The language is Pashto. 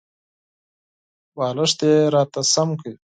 بالښت یې راته سم کړ .